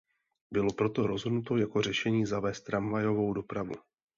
Bylo proto rozhodnuto jako řešení zavést tramvajovou dopravu.